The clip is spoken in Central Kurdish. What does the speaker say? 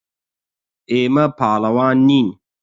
ئێمە پاڵەوان نین.